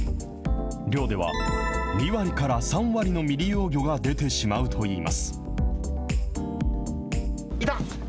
漁では２割から３割の未利用魚が出てしまうといいます。